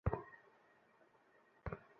কোনও সমস্যা হয়েছে?